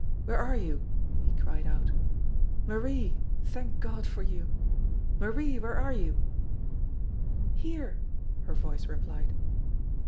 "Where are you?" he cried out. "Marie, thank God for you ! Marie, where are you ?" "Here," her voice replied.